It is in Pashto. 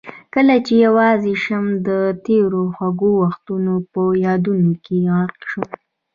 کله چې یوازې شم د تېرو خوږو وختونه په یادونو کې غرق شم.